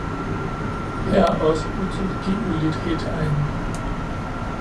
her er også utilgiveligt hedt herinde!